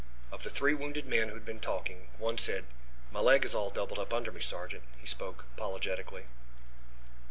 Of the three wounded men who had been talking, one said: "My leg is all doubled up under me, sergeant." He spoke apologetically.